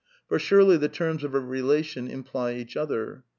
For surely the terms of a relation imply each other.